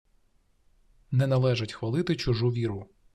Не належить хвалити чужу віру.